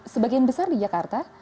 sebagian besar di jakarta